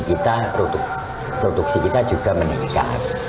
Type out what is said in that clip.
kita produksi kita juga meningkat